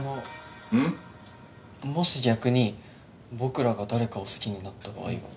もし逆に僕らが誰かを好きになった場合は？